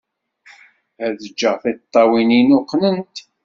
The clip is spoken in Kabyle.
Ad jjeɣ tiṭṭawin-inu qqnent.